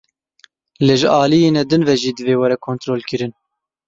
Lê ji aliyine din ve jî divê were kontrolkirin.